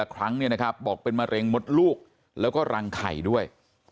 ละครั้งเนี่ยนะครับบอกเป็นมะเร็งมดลูกแล้วก็รังไข่ด้วย